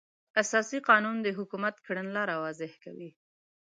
اساسي قانون د حکومت کړنلاره واضح کوي.